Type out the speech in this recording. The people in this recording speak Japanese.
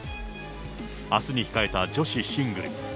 あすに控えた女子シングル。